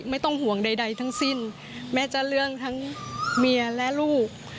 ไม่ต้องห่วงใดทั้งสิ้นแม้จะเรื่องทั้งเมียและลูก